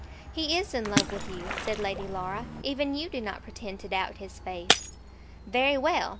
"He is in love with you," said Lady Laura. "Even you do not pretend to doubt his faith." "Very well.